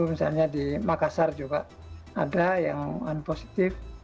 misalnya di makassar juga ada yang positif